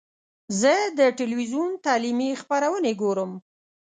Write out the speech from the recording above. زه د ټلویزیون تعلیمي خپرونې ګورم.